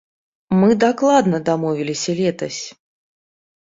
Мы дакладна дамовіліся летась!